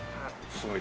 すごい！